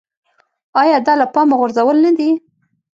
ایا دا له پامه غورځول نه دي.